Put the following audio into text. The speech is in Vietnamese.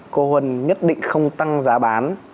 cô huân nhất định không tăng giá bán